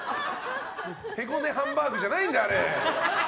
手ごねハンバーグじゃないんだよ。